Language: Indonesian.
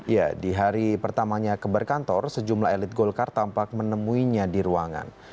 ya di hari pertamanya keberkantor sejumlah elit golkar tampak menemuinya di ruangan